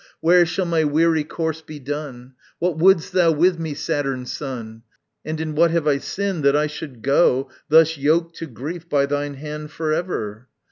Where shall my weary course be done? What wouldst thou with me, Saturn's son? And in what have I sinned, that I should go Thus yoked to grief by thine hand for ever?